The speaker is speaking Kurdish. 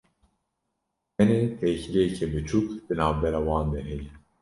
tenê têkiliyeke biçûk di navbera wan de heye.